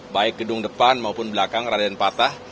baik gedung depan maupun belakang raden patah